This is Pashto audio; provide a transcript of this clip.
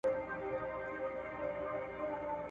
هغه ټولنه چي کتاب ته ارزښت ورکوي د پرمختګ پر لور ګامونه اخلي